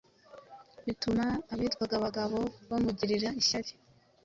bituma abitwaga abagabo bamugirira ishyari